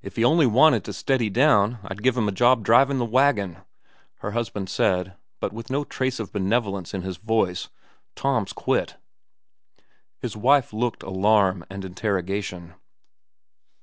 "If he only wanted to steady down, I'd give him a job drivin' the wagon," her husband said, but with no trace of benevolence in his voice. "Tom's quit." His wife looked alarm and interrogation.